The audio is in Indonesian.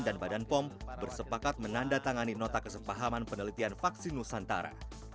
dan badan pom bersepakat menandatangani nota kesepahaman penelitian vaksin nusantara